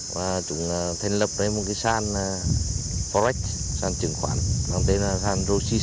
quản lý tài khoản này